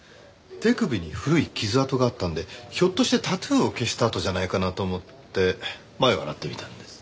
手首に古い傷痕があったんでひょっとしてタトゥーを消した痕じゃないかなと思ってマエを洗ってみたんです。